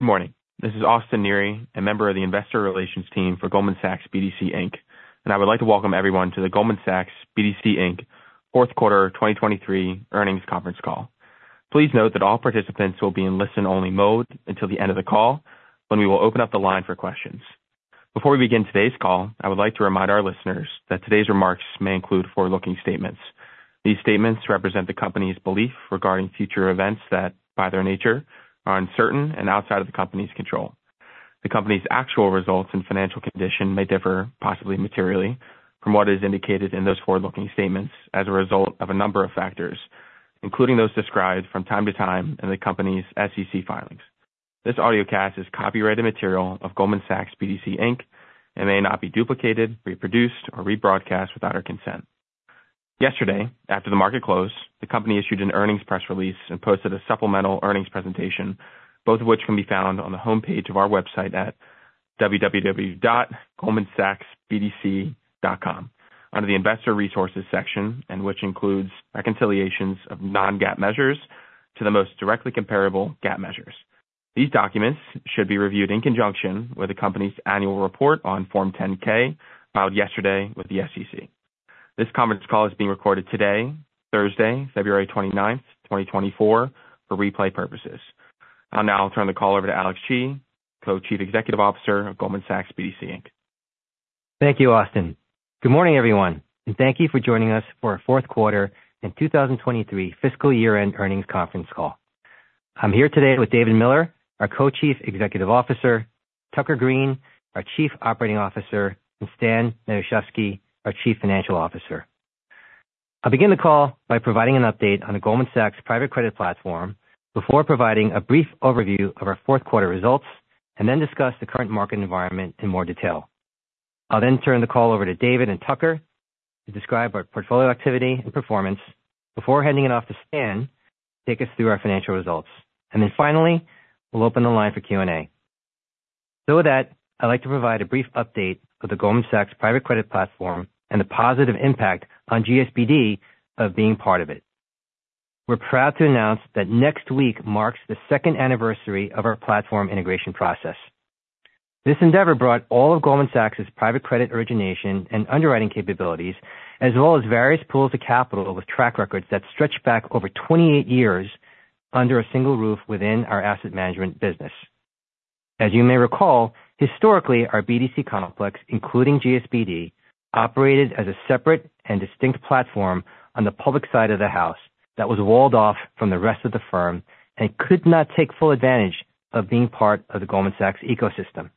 Good morning. This is Austin Neri, a member of the Investor Relations Team for Goldman Sachs BDC Inc., and I would like to welcome everyone to the Goldman Sachs BDC Inc. 4th Quarter 2023 Earnings Conference Call. Please note that all participants will be in listen-only mode until the end of the call when we will open up the line for questions. Before we begin today's call, I would like to remind our listeners that today's remarks may include forward-looking statements. These statements represent the company's belief regarding future events that, by their nature, are uncertain and outside of the company's control. The company's actual results and financial condition may differ, possibly materially, from what is indicated in those forward-looking statements as a result of a number of factors, including those described from time to time in the company's SEC filings. This audiocast is copyrighted material of Goldman Sachs BDC, Inc. and may not be duplicated, reproduced, or rebroadcast without our consent. Yesterday, after the market closed, the company issued an earnings press release and posted a supplemental earnings presentation, both of which can be found on the homepage of our website at www.goldmansachsbdc.com, under the Investor Resources section, and which includes reconciliations of non-GAAP measures to the most directly comparable GAAP measures. These documents should be reviewed in conjunction with the company's annual report on Form 10-K filed yesterday with the SEC. This conference call is being recorded today, Thursday, February 29, 2024, for replay purposes. I'll now turn the call over to Alex Chi, Co-Chief Executive Officer of Goldman Sachs BDC, Inc. Thank you, Austin. Good morning, everyone, and thank you for joining us for our 4th Quarter and 2023 Fiscal Year-End Earnings Conference Call. I'm here today with David Miller, our Co-Chief Executive Officer, Tucker Greene, our Chief Operating Officer, and Stanley Matuszewski, our Chief Financial Officer. I'll begin the call by providing an update on the Goldman Sachs Private Credit Platform before providing a brief overview of our 4th Quarter results and then discuss the current market environment in more detail. I'll then turn the call over to David and Tucker to describe our portfolio activity and performance before handing it off to Stan to take us through our financial results, and then finally we'll open the line for Q&A. With that, I'd like to provide a brief update of the Goldman Sachs Private Credit Platform and the positive impact on GSBD of being part of it. We're proud to announce that next week marks the second anniversary of our platform integration process. This endeavor brought all of Goldman Sachs's private credit origination and underwriting capabilities, as well as various pools of capital with track records that stretch back over 28 years under a single roof within our asset management business. As you may recall, historically our BDC complex, including GSBD, operated as a separate and distinct platform on the public side of the house that was walled off from the rest of the firm and could not take full advantage of being part of the Goldman Sachs ecosystem.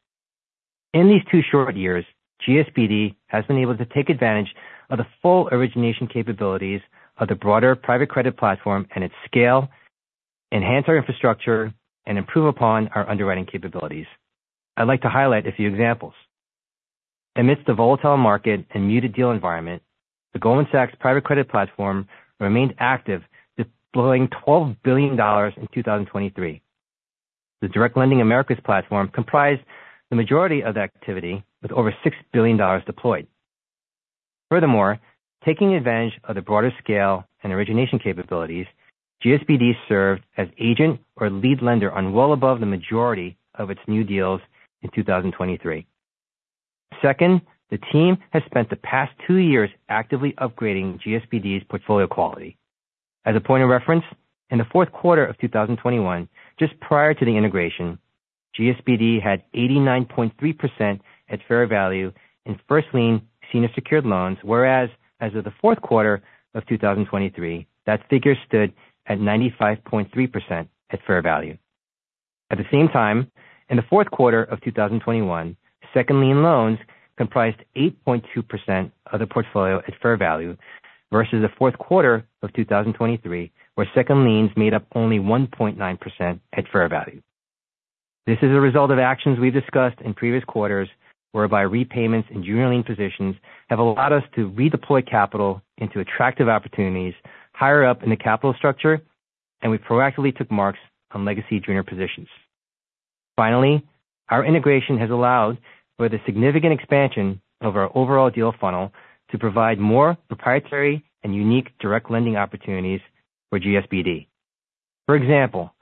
In these two short years, GSBD has been able to take advantage of the full origination capabilities of the broader private credit platform and its scale, enhance our infrastructure, and improve upon our underwriting capabilities. I'd like to highlight a few examples. Amidst a volatile market and muted deal environment, the Goldman Sachs Private Credit Platform remained active deploying $12 billion in 2023. The Direct Lending Americas platform comprised the majority of that activity with over $6 billion deployed. Furthermore, taking advantage of the broader scale and origination capabilities, GSBD served as agent or lead lender on well above the majority of its new deals in 2023. Second, the team has spent the past two years actively upgrading GSBD's portfolio quality. As a point of reference, in the 4th Quarter of 2021, just prior to the integration, GSBD had 89.3% at fair value in First Lien Senior Secured Loans, whereas as of the 4th Quarter of 2023 that figure stood at 95.3% at fair value. At the same time, in the 4th Quarter of 2021, Second Lien Loans comprised 8.2% of the portfolio at fair value versus the 4th Quarter of 2023 where Second liens made up only 1.9% at fair value. This is a result of actions we have discussed in previous quarters, whereby repayments in junior lien positions have allowed us to redeploy capital into attractive opportunities higher up in the capital structure, and we proactively took marks on legacy junior positions. Finally, our integration has allowed, with a significant expansion of our overall deal funnel, to provide more proprietary and unique direct lending opportunities for GSBD. For example,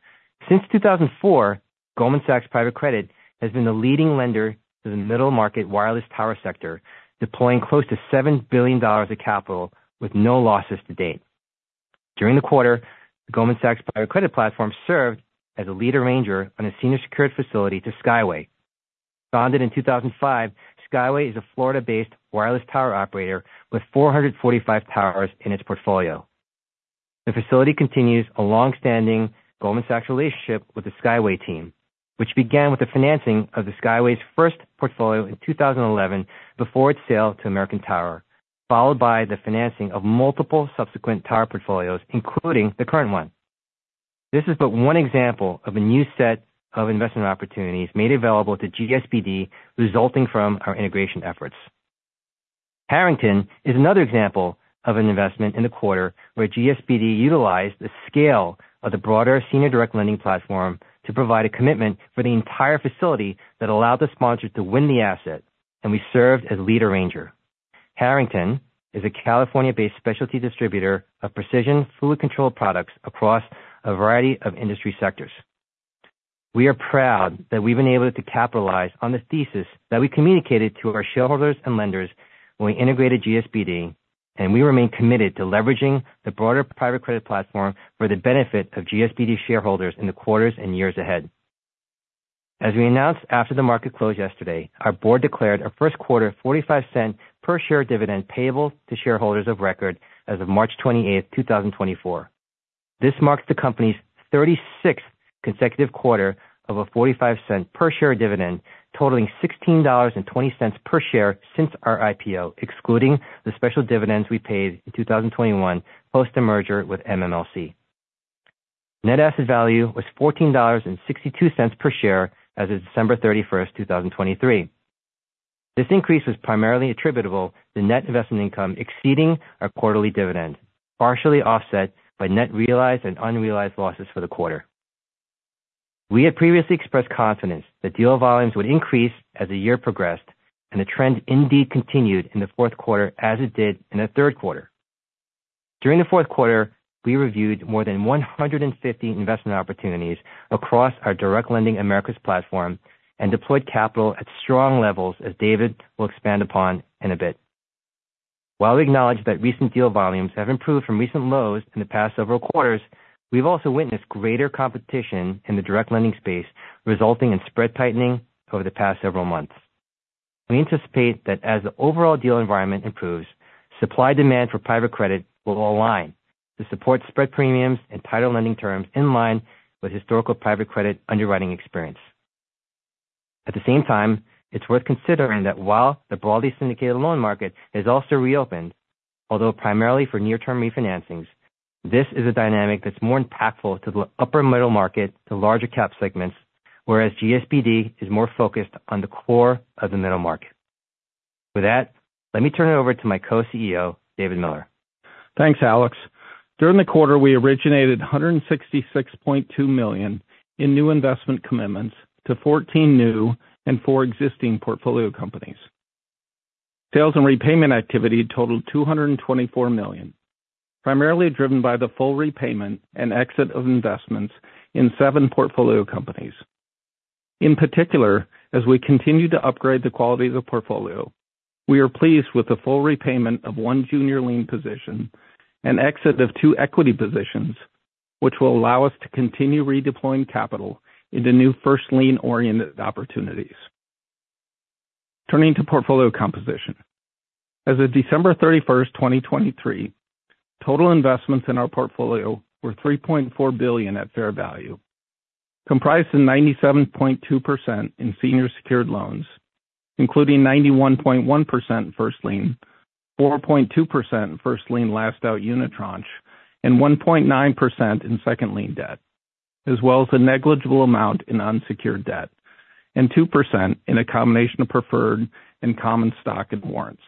since 2004, Goldman Sachs Private Credit has been the leading lender to the middle market wireless tower sector, deploying close to $7 billion of capital with no losses to date. During the quarter, the Goldman Sachs Private Credit Platform served as a lead arranger on a senior secured facility to Skyway. Founded in 2005, Skyway is a Florida-based wireless tower operator with 445 towers in its portfolio. The facility continues a longstanding Goldman Sachs relationship with the Skyway team, which began with the financing of the Skyway's first portfolio in 2011 before its sale to American Tower, followed by the financing of multiple subsequent tower portfolios, including the current one. This is but one example of a new set of investment opportunities made available to GSBD resulting from our integration efforts. Harrington is another example of an investment in the quarter where GSBD utilized the scale of the broader senior direct lending platform to provide a commitment for the entire facility that allowed the sponsor to win the asset, and we served as lead arranger. Harrington is a California-based specialty distributor of precision fluid control products across a variety of industry sectors. We are proud that we have been able to capitalize on the thesis that we communicated to our shareholders and lenders when we integrated GSBD, and we remain committed to leveraging the broader private credit platform for the benefit of GSBD shareholders in the quarters and years ahead. As we announced after the market closed yesterday, our board declared our first quarter $0.45 per share dividend payable to shareholders of record as of March 28, 2024. This marks the company's 36th consecutive quarter of a $0.45 per share dividend, totaling $16.20 per share since our IPO, excluding the special dividends we paid in 2021 post-merger with MMLC. Net asset value was $14.62 per share as of December 31, 2023. This increase was primarily attributable to net investment income exceeding our quarterly dividend, partially offset by net realized and unrealized losses for the quarter. We had previously expressed confidence that deal volumes would increase as the year progressed, and the trend indeed continued in the 4th quarter as it did in the 3rd quarter. During the 4th quarter, we reviewed more than 150 investment opportunities across our Direct Lending Americas platform and deployed capital at strong levels as David will expand upon in a bit. While we acknowledge that recent deal volumes have improved from recent lows in the past several quarters, we have also witnessed greater competition in the direct lending space, resulting in spread tightening over the past several months. We anticipate that as the overall deal environment improves, supply-demand for private credit will align to support spread premiums and tighter lending terms in line with historical private credit underwriting experience. At the same time, it is worth considering that while the broadly syndicated loan market has also reopened, although primarily for near-term refinancings, this is a dynamic that is more impactful to the upper middle market to larger cap segments, whereas GSBD is more focused on the core of the middle market. With that, let me turn it over to my co-CEO, David Miller. Thanks, Alex. During the quarter, we originated $166.2 million in new investment commitments to 14 new and four existing portfolio companies. Sales and repayment activity totaled $224 million, primarily driven by the full repayment and exit of investments in seven portfolio companies. In particular, as we continue to upgrade the quality of the portfolio, we are pleased with the full repayment of one junior lien position and exit of two equity positions, which will allow us to continue redeploying capital into new first lien-oriented opportunities. Turning to portfolio composition. As of December 31, 2023, total investments in our portfolio were $3.4 billion at fair value, comprised of 97.2% in senior secured loans, including 91.1% first lien, 4.2% first lien last-out unit tranche, and 1.9% in second lien debt, as well as a negligible amount in unsecured debt, and 2% in a combination of preferred and common stock and warrants.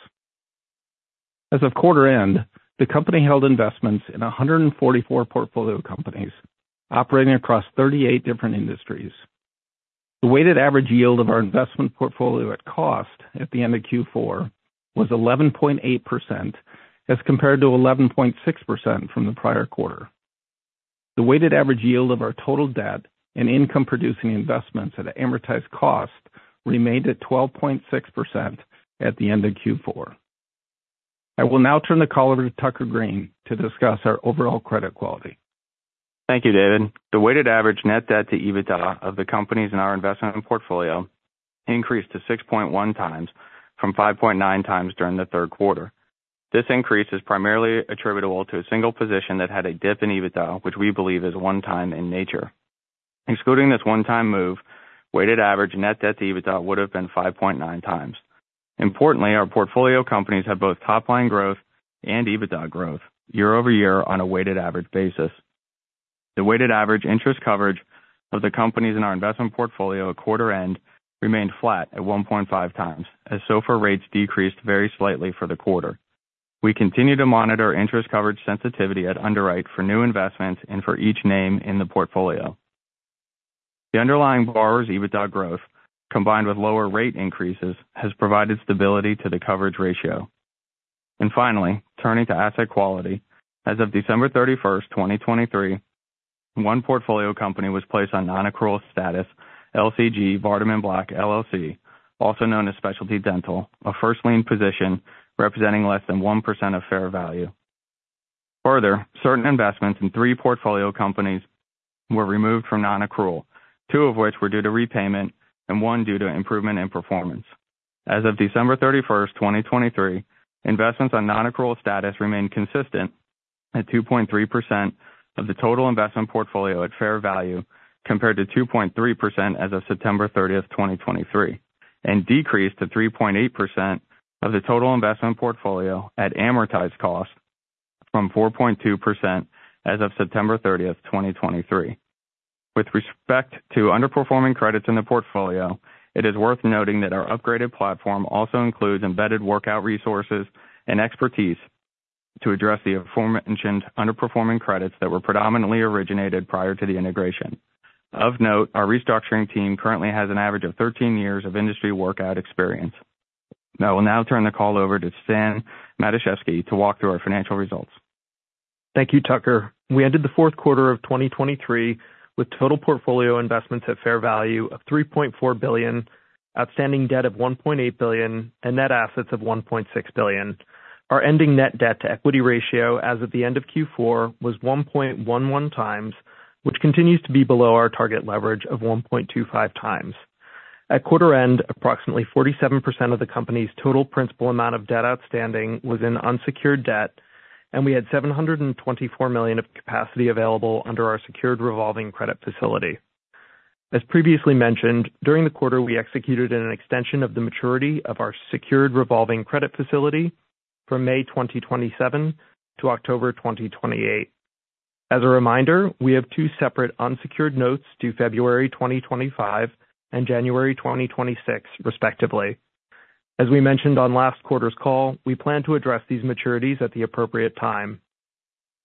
As of quarter-end, the company held investments in 144 portfolio companies operating across 38 different industries. The weighted average yield of our investment portfolio at cost at the end of Q4 was 11.8% as compared to 11.6% from the prior quarter. The weighted average yield of our total debt and income-producing investments at amortized cost remained at 12.6% at the end of Q4. I will now turn the call over to Tucker Greene to discuss our overall credit quality. Thank you, David. The weighted average net debt to EBITDA of the companies in our investment portfolio increased to 6.1 times from 5.9 times during the 3rd quarter. This increase is primarily attributable to a single position that had a dip in EBITDA, which we believe is one-time in nature. Excluding this one-time move, weighted average net debt to EBITDA would have been 5.9 times. Importantly, our portfolio companies have both top-line growth and EBITDA growth year-over-year on a weighted average basis. The weighted average interest coverage of the companies in our investment portfolio at quarter-end remained flat at 1.5 times, as SOFR rates decreased very slightly for the quarter. We continue to monitor interest coverage sensitivity at underwrite for new investments and for each name in the portfolio. The underlying borrower's EBITDA growth, combined with lower rate increases, has provided stability to the coverage ratio. Finally, turning to asset quality, as of December 31, 2023, one portfolio company was placed on non-accrual status, LCG Vardaman Black LLC, also known as Specialty Dental, a first lien position representing less than 1% of fair value. Further, certain investments in three portfolio companies were removed from non-accrual, two of which were due to repayment and one due to improvement in performance. As of December 31, 2023, investments on non-accrual status remained consistent at 2.3% of the total investment portfolio at fair value compared to 2.3% as of September 30, 2023, and decreased to 3.8% of the total investment portfolio at amortized cost from 4.2% as of September 30, 2023. With respect to underperforming credits in the portfolio, it is worth noting that our upgraded platform also includes embedded workout resources and expertise to address the aforementioned underperforming credits that were predominantly originated prior to the integration. Of note, our restructuring team currently has an average of 13 years of industry workout experience. I will now turn the call over to Stan Matuszewski to walk through our financial results. Thank you, Tucker. We ended the 4th quarter of 2023 with total portfolio investments at fair value of $3.4 billion, outstanding debt of $1.8 billion, and net assets of $1.6 billion. Our ending net debt to equity ratio as of the end of Q4 was 1.11 times, which continues to be below our target leverage of 1.25 times. At quarter-end, approximately 47% of the company's total principal amount of debt outstanding was in unsecured debt, and we had $724 million of capacity available under our secured revolving credit facility. As previously mentioned, during the quarter, we executed an extension of the maturity of our secured revolving credit facility from May 2027 to October 2028. As a reminder, we have two separate unsecured notes due February 2025 and January 2026, respectively. As we mentioned on last quarter's call, we plan to address these maturities at the appropriate time.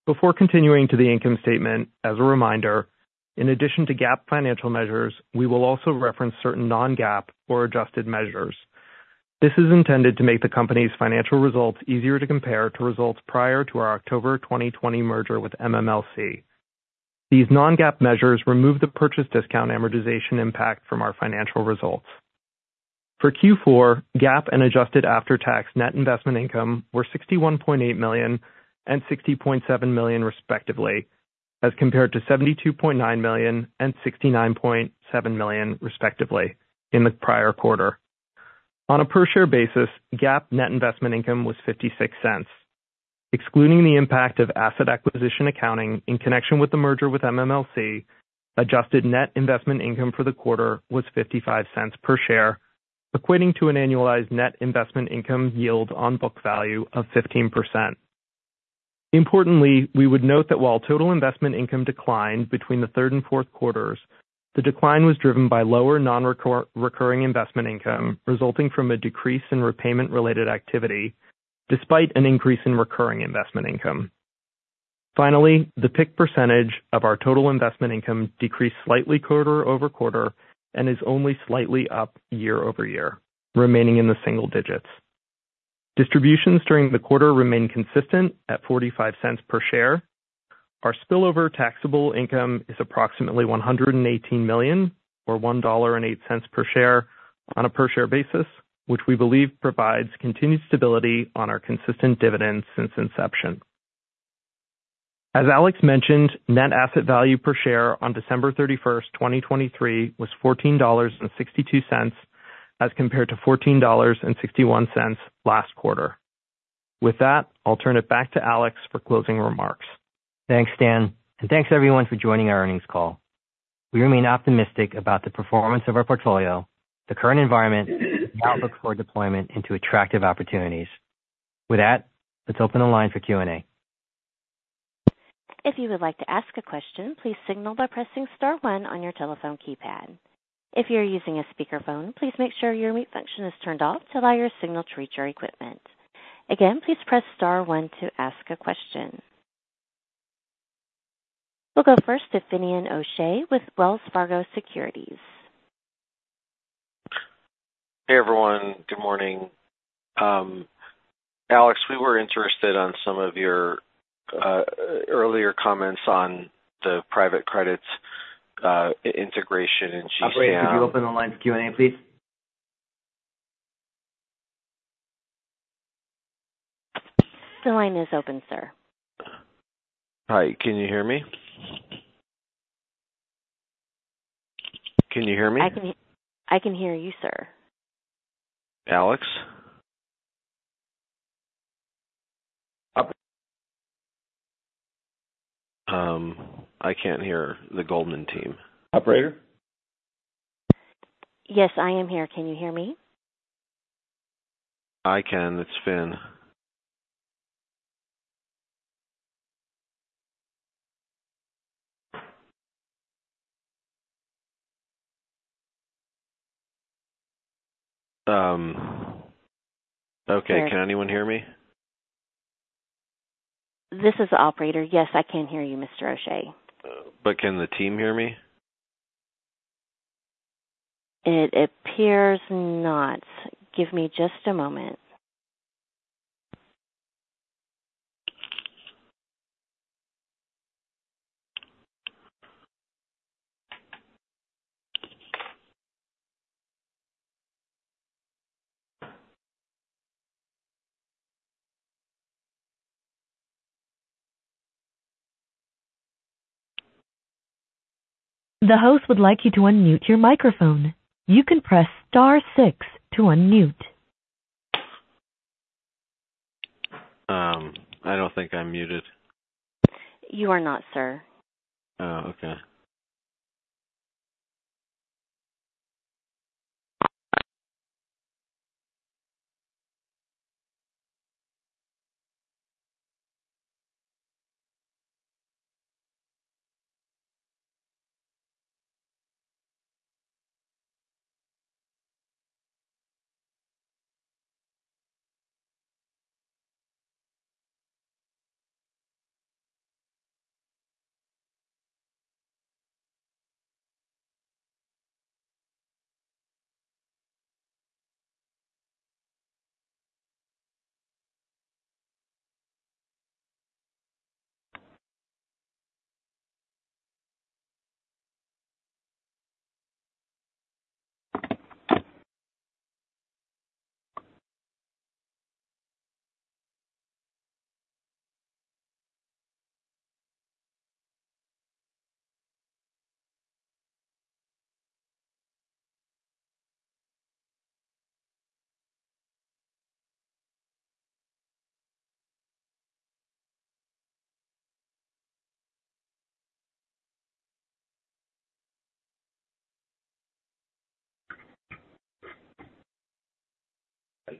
Before continuing to the income statement, as a reminder, in addition to GAAP financial measures, we will also reference certain non-GAAP or adjusted measures. This is intended to make the company's financial results easier to compare to results prior to our October 2020 merger with MMLC. These non-GAAP measures remove the purchase discount amortization impact from our financial results. For Q4, GAAP and adjusted after-tax net investment income were $61.8 million and $60.7 million, respectively, as compared to $72.9 million and $69.7 million, respectively, in the prior quarter. On a per-share basis, GAAP net investment income was $0.56. Excluding the impact of asset acquisition accounting in connection with the merger with MMLC, adjusted net investment income for the quarter was $0.55 per share, equating to an annualized net investment income yield on book value of 15%. Importantly, we would note that while total investment income declined between the third and fourth quarters, the decline was driven by lower non-recurring investment income resulting from a decrease in repayment-related activity, despite an increase in recurring investment income. Finally, the PIK percentage of our total investment income decreased slightly quarter-over-quarter and is only slightly up year-over-year, remaining in the single digits. Distributions during the quarter remain consistent at $0.45 per share. Our spillover taxable income is approximately $118 million, or $1.08 per share, on a per-share basis, which we believe provides continued stability on our consistent dividends since inception. As Alex mentioned, net asset value per share on December 31, 2023, was $14.62 as compared to $14.61 last quarter. With that, I'll turn it back to Alex for closing remarks. Thanks, Stan, and thanks everyone for joining our earnings call. We remain optimistic about the performance of our portfolio, the current environment, and the outlook for deployment into attractive opportunities. With that, let's open the line for Q&A. If you would like to ask a question, please signal by pressing star one on your telephone keypad. If you're using a speakerphone, please make sure your mute function is turned off to allow your signal to reach your equipment. Again, please press star one to ask a question. We'll go first to Finian O'Shea with Wells Fargo Securities. Hey everyone, good morning. Alex, we were interested in some of your earlier comments on the private credit integration in GSAM. All right, could you open the line for Q&A, please? The line is open, sir. Hi, can you hear me? Can you hear me? I can hear you, sir. Alex? I can't hear the Goldman team. Operator? Yes, I am here. Can you hear me? I can. It's Finian. Okay, can anyone hear me? This is the operator. Yes, I can hear you, Mr. O'Shea. Can the team hear me? It appears not. Give me just a moment. The host would like you to unmute your microphone. You can press star six to unmute. I don't think I'm muted. You are not, sir. Oh, okay.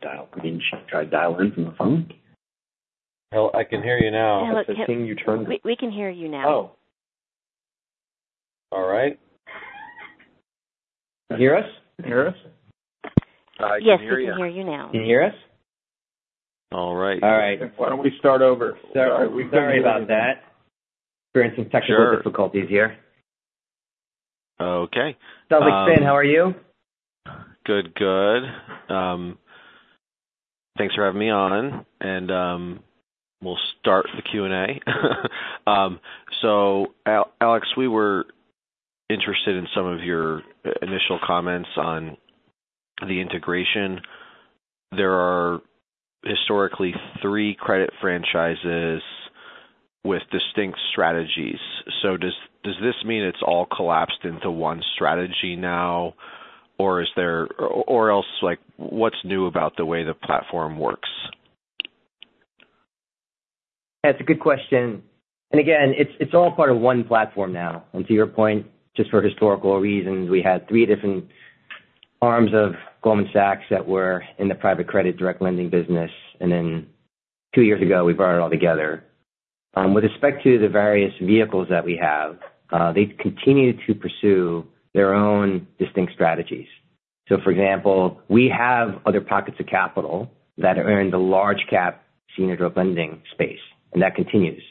I dialed green. Should I try dialing in from the phone? Hello, I can hear you now. It's the thing you turned. We can hear you now. Oh. All right. Can you hear us? Can you hear us? Yes, I can hear you now. Can you hear us? All right. All right. Why don't we start over? Sorry about that. We're having some technical difficulties here. Okay. Sounds like Finn. How are you? Good, good. Thanks for having me on, and we'll start the Q&A. So, Alex, we were interested in some of your initial comments on the integration. There are historically three credit franchises with distinct strategies. So does this mean it's all collapsed into one strategy now, or else what's new about the way the platform works? That's a good question. And again, it's all part of one platform now. And to your point, just for historical reasons, we had three different arms of Goldman Sachs that were in the private credit direct lending business, and then two years ago, we brought it all together. With respect to the various vehicles that we have, they continue to pursue their own distinct strategies. So, for example, we have other pockets of capital that are in the large-cap senior direct lending space, and that continues.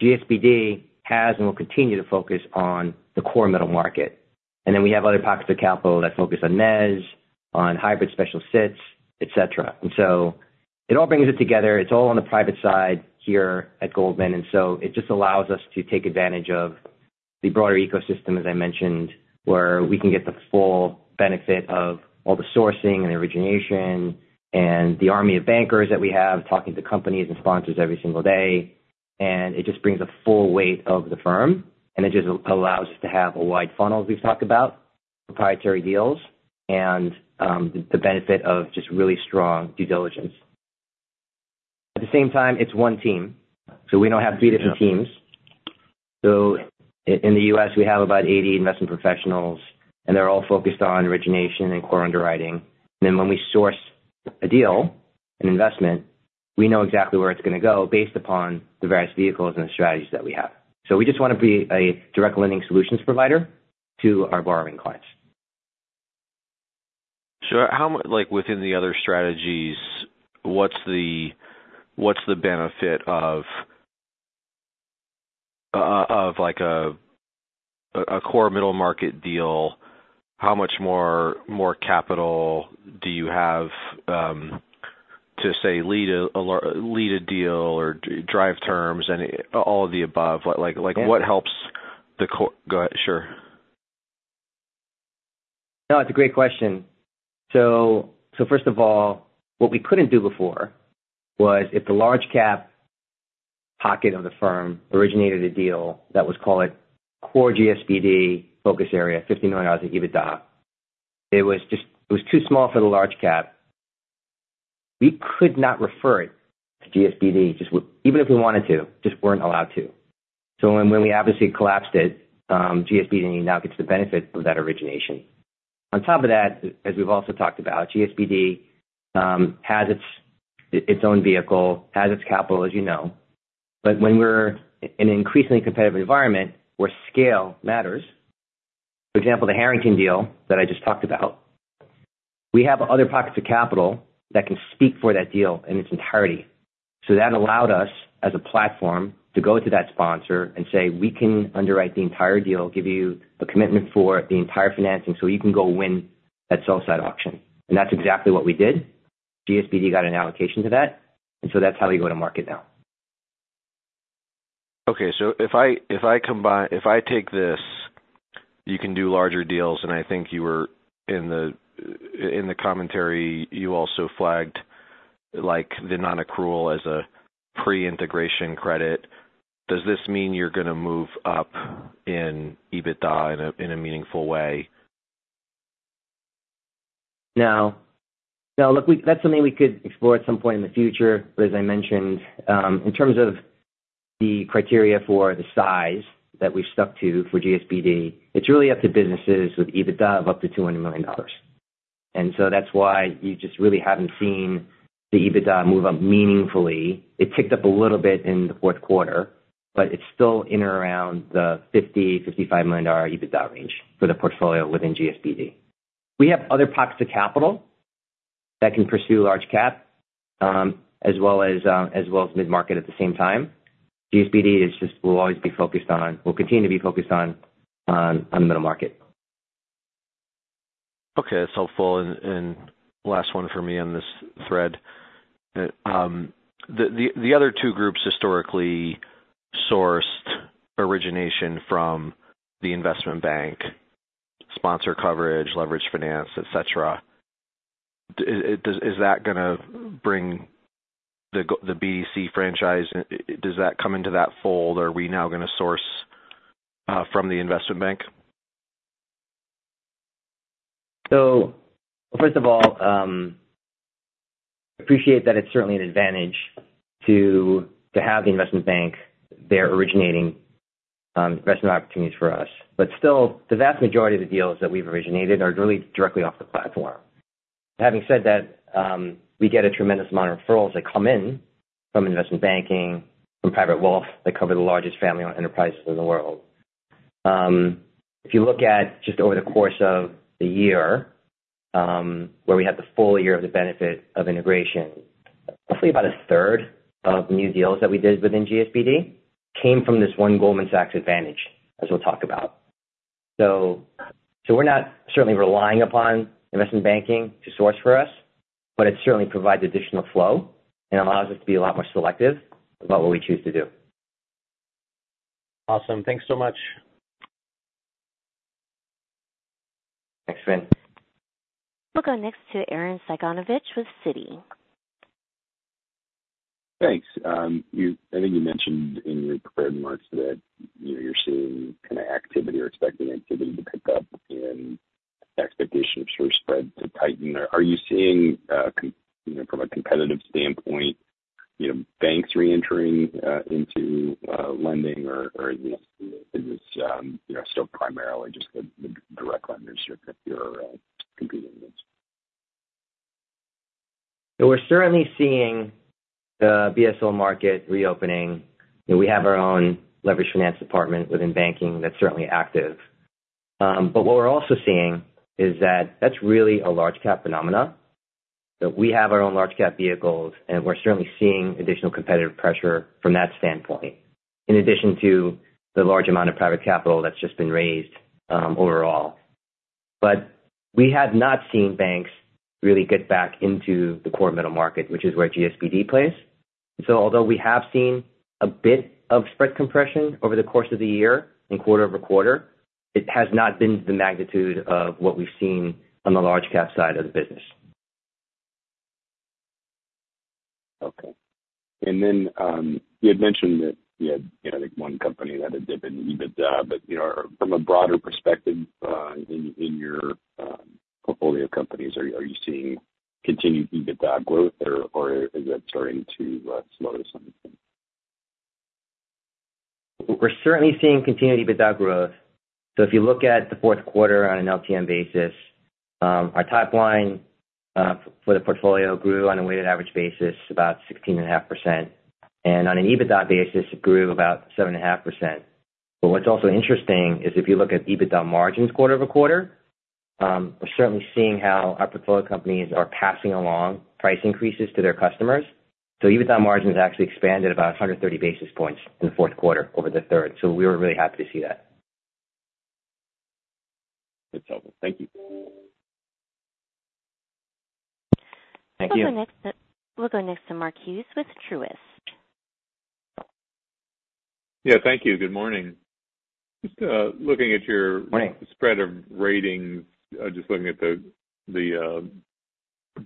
GSBD has and will continue to focus on the core middle market. And then we have other pockets of capital that focus on Mezz, on hybrid special situations, etc. And so it all brings it together. It's all on the private side here at Goldman, and so it just allows us to take advantage of the broader ecosystem, as I mentioned, where we can get the full benefit of all the sourcing and the origination and the army of bankers that we have talking to companies and sponsors every single day. And it just brings a full weight of the firm, and it just allows us to have a wide funnel, as we've talked about, proprietary deals and the benefit of just really strong due diligence. At the same time, it's one team, so we don't have three different teams. So in the U.S., we have about 80 investment professionals, and they're all focused on origination and core underwriting. And then when we source a deal, an investment, we know exactly where it's going to go based upon the various vehicles and the strategies that we have. So we just want to be a direct lending solutions provider to our borrowing clients. Sure. Within the other strategies, what's the benefit of a core middle market deal? How much more capital do you have to, say, lead a deal or drive terms and all of the above? What helps the core? Go ahead. Sure. No, it's a great question. So first of all, what we couldn't do before was if the large-cap pocket of the firm originated a deal that was, call it, core GSBD focus area, $50 million EBITDA, it was too small for the large-cap. We could not refer it to GSBD, even if we wanted to. Just weren't allowed to. So when we obviously collapsed it, GSBD now gets the benefit of that origination. On top of that, as we've also talked about, GSBD has its own vehicle, has its capital, as you know. But when we're in an increasingly competitive environment where scale matters, for example, the Harrington deal that I just talked about, we have other pockets of capital that can speak for that deal in its entirety. So that allowed us, as a platform, to go to that sponsor and say, "We can underwrite the entire deal, give you a commitment for the entire financing so you can go win that sell-side auction." And that's exactly what we did. GSBD got an allocation to that, and so that's how we go to market now. Okay, so if I take this, you can do larger deals, and I think you were in the commentary, you also flagged the non-accrual as a pre-integration credit. Does this mean you're going to move up in EBITDA in a meaningful way? No. No, look, that's something we could explore at some point in the future, but as I mentioned, in terms of the criteria for the size that we've stuck to for GSBD, it's really up to businesses with EBITDA of up to $200 million. And so that's why you just really haven't seen the EBITDA move up meaningfully. It ticked up a little bit in the fourth quarter, but it's still in or around the $50-$55 million EBITDA range for the portfolio within GSBD. We have other pockets of capital that can pursue large-cap as well as mid-market at the same time. GSBD will always be focused on, will continue to be focused on, on the middle market. Okay, that's helpful. Last one for me on this thread. The other two groups historically sourced origination from the investment bank, sponsor coverage, leveraged finance, etc. Is that going to bring the BDC franchise? Does that come into that fold, or are we now going to source from the investment bank? So first of all, I appreciate that it's certainly an advantage to have the investment bank, their originating investment opportunities for us. But still, the vast majority of the deals that we've originated are really directly off the platform. Having said that, we get a tremendous amount of referrals that come in from investment banking, from private wealth that cover the largest family-owned enterprises in the world. If you look at just over the course of the year where we had the full year of the benefit of integration, roughly about a third of the new deals that we did within GSBD came from this one Goldman Sachs advantage, as we'll talk about. So we're not certainly relying upon investment banking to source for us, but it certainly provides additional flow and allows us to be a lot more selective about what we choose to do. Awesome. Thanks so much. Thanks, Finn. We'll go next to Arren Cyganovich with Citi. Thanks. I think you mentioned in your prepared remarks that you're seeing kind of activity or expecting activity to pick up and expectations for spread to tighten. Are you seeing, from a competitive standpoint, banks reentering into lending, or is this still primarily just the direct lenders you're competing against? So we're certainly seeing the BSL market reopening. We have our own leveraged finance department within banking that's certainly active. But what we're also seeing is that that's really a large-cap phenomenon. We have our own large-cap vehicles, and we're certainly seeing additional competitive pressure from that standpoint in addition to the large amount of private capital that's just been raised overall. But we have not seen banks really get back into the core middle market, which is where GSBD plays. And so although we have seen a bit of spread compression over the course of the year and quarter-over-quarter, it has not been the magnitude of what we've seen on the large-cap side of the business. Okay. And then you had mentioned that you had one company that had dipped in EBITDA, but from a broader perspective in your portfolio of companies, are you seeing continued EBITDA growth, or is that starting to slow to some extent? We're certainly seeing continued EBITDA growth. If you look at the fourth quarter on an LTM basis, our top line for the portfolio grew on a weighted average basis about 16.5%, and on an EBITDA basis, it grew about 7.5%. But what's also interesting is if you look at EBITDA margins quarter-over-quarter, we're certainly seeing how our portfolio companies are passing along price increases to their customers. EBITDA margins actually expanded about 130 basis points in the fourth quarter over the third, so we were really happy to see that. That's helpful. Thank you. Thank you. We'll go next to Mark Hughes with Truist. Yeah, thank you. Good morning. Just looking at your spread of ratings, just looking at the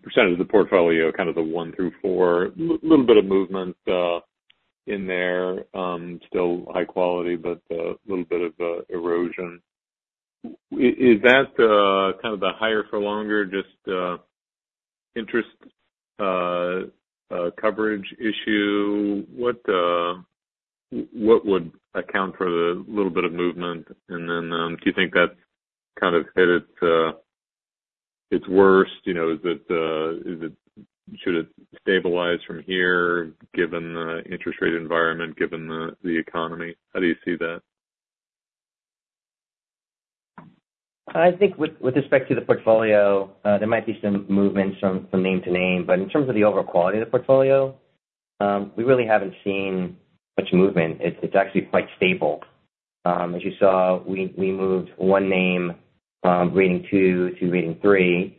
percentage of the portfolio, kind of the one through four, a little bit of movement in there, still high quality, but a little bit of erosion. Is that kind of the higher-for-longer, just interest coverage issue? What would account for the little bit of movement? And then do you think that's kind of hit its worst? Should it stabilize from here given the interest rate environment, given the economy? How do you see that? I think with respect to the portfolio, there might be some movement from name to name, but in terms of the overall quality of the portfolio, we really haven't seen much movement. It's actually quite stable. As you saw, we moved one name from rating two to rating three,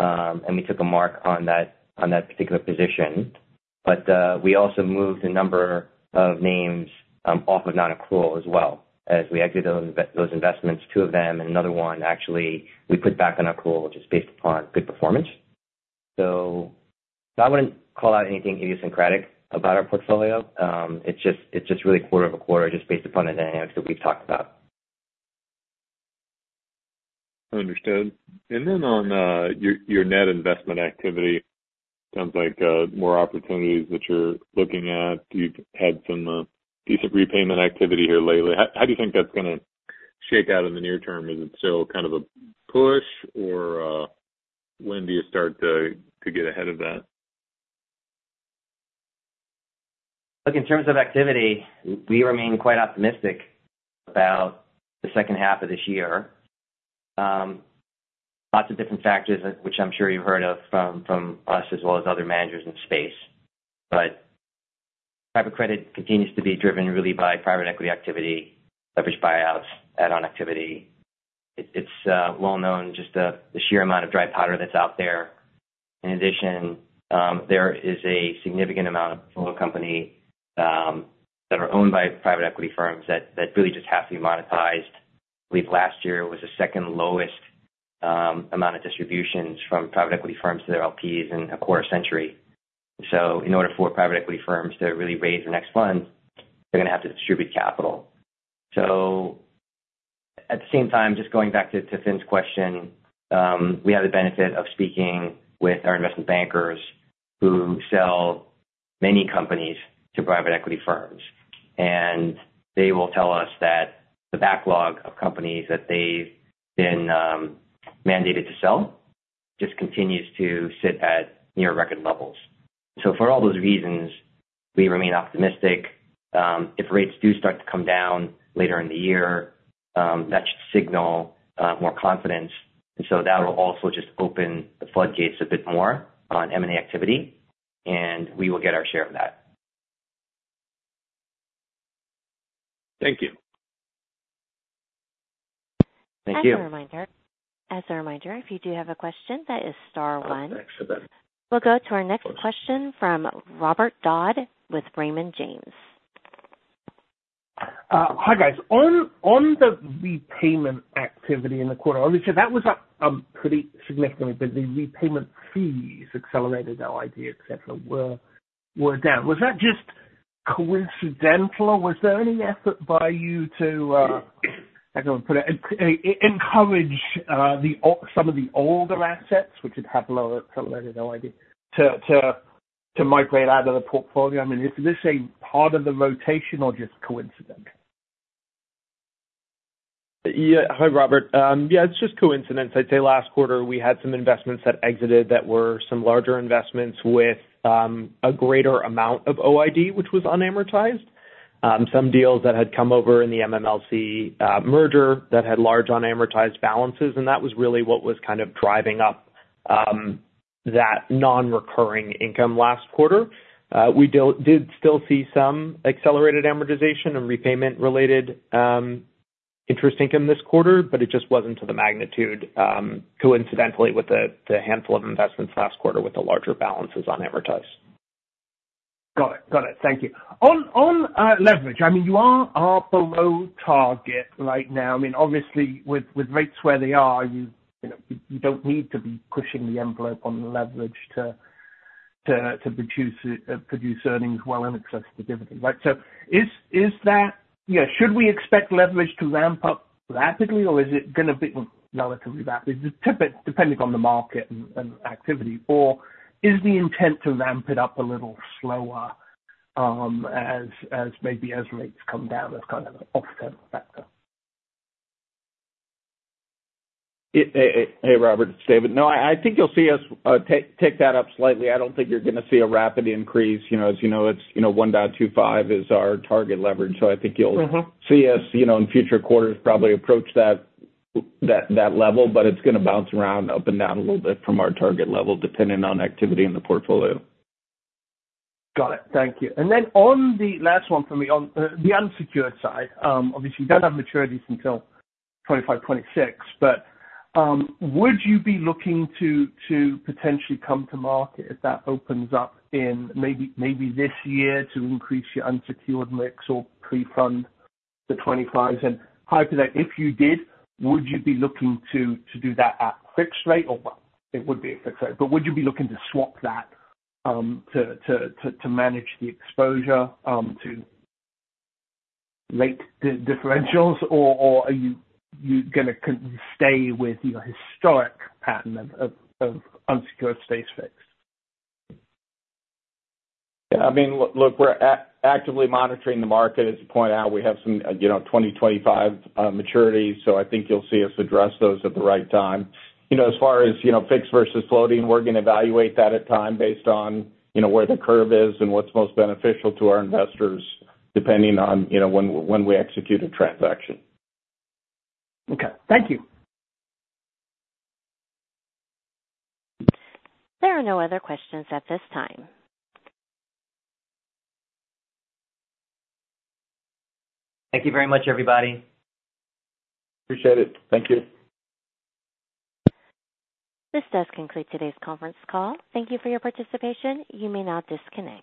and we took a mark on that particular position. But we also moved a number of names off of non-accrual as well as we exited those investments, two of them, and another one actually we put back on accrual just based upon good performance. So I wouldn't call out anything idiosyncratic about our portfolio. It's just really quarter-over-quarter just based upon the dynamics that we've talked about. Understood. And then on your net investment activity, it sounds like more opportunities that you're looking at. You've had some decent repayment activity here lately. How do you think that's going to shake out in the near term? Is it still kind of a push, or when do you start to get ahead of that? Look, in terms of activity, we remain quite optimistic about the second half of this year, lots of different factors which I'm sure you've heard of from us as well as other managers in the space. But private credit continues to be driven really by private equity activity, leveraged buyouts, add-on activity. It's well known, just the sheer amount of dry powder that's out there. In addition, there is a significant amount of portfolio companies that are owned by private equity firms that really just have to be monetized. I believe last year was the second lowest amount of distributions from private equity firms to their LPs in a quarter century. So in order for private equity firms to really raise their next funds, they're going to have to distribute capital. So at the same time, just going back to Finn's question, we have the benefit of speaking with our investment bankers who sell many companies to private equity firms. And they will tell us that the backlog of companies that they've been mandated to sell just continues to sit at near-record levels. So for all those reasons, we remain optimistic. If rates do start to come down later in the year, that should signal more confidence. And so that will also just open the floodgates a bit more on M&A activity, and we will get our share of that. Thank you. Thank you. As a reminder, if you do have a question, that is star one. Perfect. Excellent. We'll go to our next question from Robert Dodd with Raymond James. Hi, guys. On the repayment activity in the quarter, obviously, that was up pretty significantly, but the repayment fees, accretive yields, etc., were down. Was that just coincidental, or was there any effort by you to, how can I put it, encourage some of the older assets, which had had lower accretive yields, to migrate out of the portfolio? I mean, is this a part of the rotation or just coincidental? Yeah. Hi, Robert. Yeah, it's just coincidence. I'd say last quarter, we had some investments that exited that were some larger investments with a greater amount of OID, which was unamortized, some deals that had come over in the MMLC merger that had large unamortized balances. That was really what was kind of driving up that non-recurring income last quarter. We did still see some accelerated amortization and repayment-related interest income this quarter, but it just wasn't to the magnitude coincidentally with the handful of investments last quarter with the larger balances unamortized. Got it. Got it. Thank you. On leverage, I mean, you are below target right now. I mean, obviously, with rates where they are, you don't need to be pushing the envelope on leverage to produce earnings well in excess of the dividend, right? So should we expect leverage to ramp up rapidly, or is it going to be relatively rapid, depending on the market and activity? Or is the intent to ramp it up a little slower maybe as rates come down, that's kind of a long-term factor? Hey, Robert. It's David. No, I think you'll see us take that up slightly. I don't think you're going to see a rapid increase. As you know, 1.25 is our target leverage, so I think you'll see us in future quarters probably approach that level, but it's going to bounce around up and down a little bit from our target level depending on activity in the portfolio. Got it. Thank you. Then on the last one for me, the unsecured side, obviously, you don't have maturities until 2025, 2026, but would you be looking to potentially come to market if that opens up maybe this year to increase your unsecured mix or pre-fund the 2025s? And how could that if you did, would you be looking to do that at fixed rate, or well, it would be a fixed rate, but would you be looking to swap that to manage the exposure to rate differentials, or are you going to stay with your historic pattern of unsecured stays fixed? Yeah. I mean, look, we're actively monitoring the market. As you point out, we have some 2025 maturities, so I think you'll see us address those at the right time. As far as fixed versus floating, we're going to evaluate that at time based on where the curve is and what's most beneficial to our investors depending on when we execute a transaction. Okay. Thank you. There are no other questions at this time. Thank you very much, everybody. Appreciate it. Thank you. This does conclude today's conference call. Thank you for your participation. You may now disconnect.